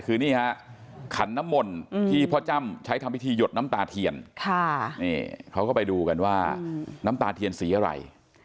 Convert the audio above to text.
คือนี่ฮะขันน้ำมนต์ที่พ่อจ้ำใช้ทำพิธีหยดน้ำตาเทียนเขาก็ไปดูกันว่าน้ำตาเทียนสีอะไร